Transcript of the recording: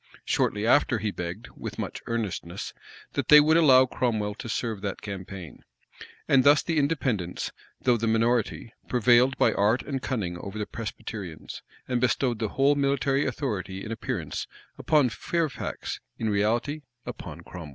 Shortly after, he begged, with much earnestness, that they would allow Cromwell to serve that campaign.[] And thus the Independents, though the minority, prevailed by art and cunning over the Presbyterians, and bestowed the whole military authority in appearance, upon Fairfax; in reality, upon Cromwell.